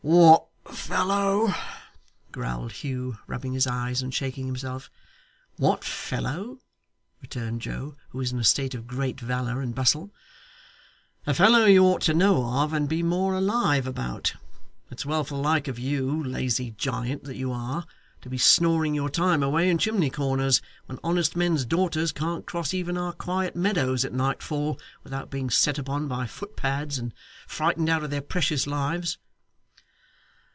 'What fellow?' growled Hugh, rubbing his eyes and shaking himself. 'What fellow?' returned Joe, who was in a state of great valour and bustle; 'a fellow you ought to know of and be more alive about. It's well for the like of you, lazy giant that you are, to be snoring your time away in chimney corners, when honest men's daughters can't cross even our quiet meadows at nightfall without being set upon by footpads, and frightened out of their precious lives.